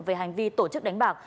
về hành vi tổ chức đánh bạc